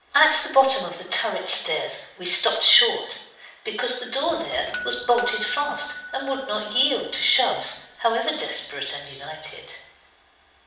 At the bottom of the turret stairs we stopped short. Because the door there was bolted fast and would not yield to shoves, however desperate and united.